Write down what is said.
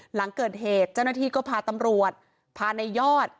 หลังเกิดเหตุเจ้าหน้าที่ก็พาตำรวจพาในยอด